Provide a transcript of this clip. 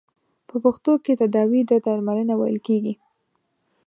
په پښتو کې تداوې ته درملنه ویل کیږی.